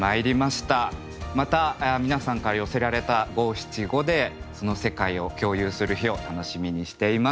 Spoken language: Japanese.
また皆さんから寄せられた五七五でその世界を共有する日を楽しみにしています。